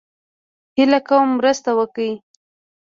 هيله کوم مرسته وکړئ